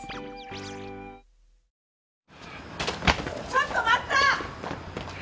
ちょっと待った！